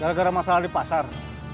gara gara masalah di pasar